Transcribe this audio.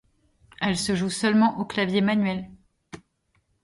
Elle se joue seulement aux claviers manuels.